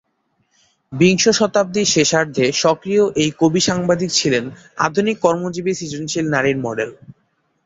বিংশ শতাব্দীর শেষার্ধে সক্রিয় এই কবি-সাংবাদিক ছিলেন আধুনিক কর্মজীবী সৃজনশীল নারীর মডেল।